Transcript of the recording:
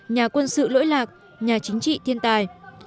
nhà quân sự lỗi lạc nhà chính trị thiên tài